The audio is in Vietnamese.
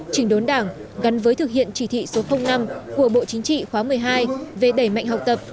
chỉnh đốn đảng gắn với thực hiện chỉ thị số năm của bộ chính trị khóa một mươi hai về đẩy mạnh học tập